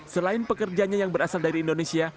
selain pekerjanya yang berasal dari indonesia